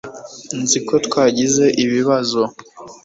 nzi ko twagize ibibazo